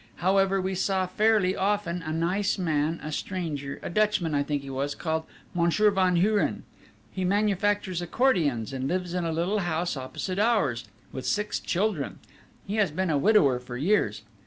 However, we saw fairly often a nice man, a stranger, a Dutchman I think he was, called Monsieur Van Hoeren; he manufactures accordions; and lives in a little house opposite ours, with six children; he has been a widower for years!